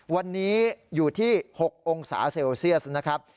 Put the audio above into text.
วันนี้อยู่ที่๖องศาเซลเซียสนะครับ